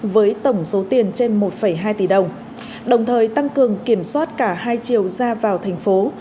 với tổng số tiền trên một hai tỷ đồng đồng thời tăng cường kiểm soát cả hai chiều ra vào thành phố